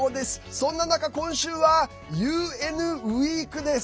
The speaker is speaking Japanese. そんな中、今週はＵＮＷｅｅｋです。